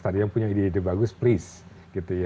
tadi yang punya ide ide bagus please